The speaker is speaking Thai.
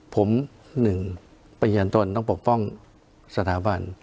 ผมหนึ่งเป็นอย่างต้นต้องปกป้องสถาบัน